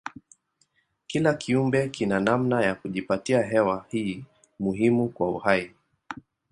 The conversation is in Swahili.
Kila kiumbe kina namna ya kujipatia hewa hii muhimu kwa uhai.